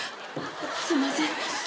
すいません。